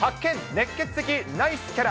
熱ケツ的ナイスキャラ。